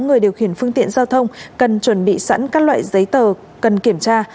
người điều khiển phương tiện giao thông cần chuẩn bị sẵn các loại giấy tờ cần kiểm tra